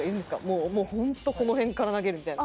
もう本当この辺から投げるみたいな。